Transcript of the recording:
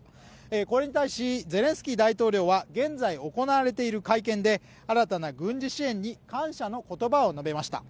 これに対しゼレンスキー大統領は現在行われている会見で新たな軍事支援に感謝の言葉を述べました。